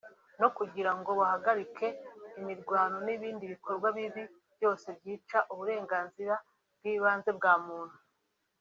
no kugira ngo bahagarike imirwano n’ibindi bikorwa bibi byose byica uburenganzira bw’ibanze bwa muntu